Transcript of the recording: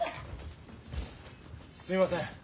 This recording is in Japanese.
すいません。